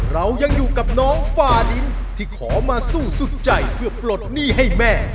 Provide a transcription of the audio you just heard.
เรายังอยู่กับน้องฟาลินที่ขอมาสู้สุดใจเพื่อปลดหนี้ให้แม่